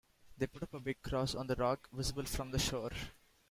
They put up a big Cross on the Rock, visible from the shore.